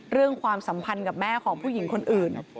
ความสัมพันธ์กับแม่ของผู้หญิงคนอื่น